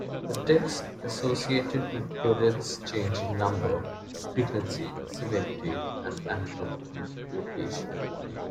The tics associated with Tourette's change in number, frequency, severity and anatomical location.